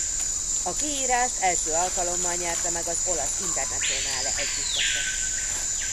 A kiírást első alkalommal nyerte meg az olasz Internazionale együttese.